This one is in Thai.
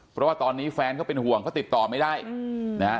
เพราะว่าตอนนี้แฟนเขาเป็นห่วงเขาติดต่อไม่ได้นะฮะ